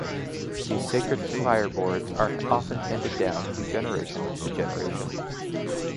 These sacred fireboards are often handed down from generation to generation.